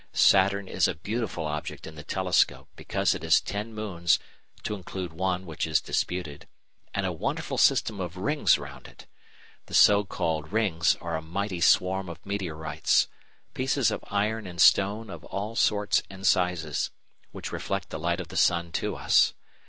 Saturn is a beautiful object in the telescope because it has ten moons (to include one which is disputed) and a wonderful system of "rings" round it. The so called rings are a mighty swarm of meteorites pieces of iron and stone of all sorts and sizes, which reflect the light of the sun to us.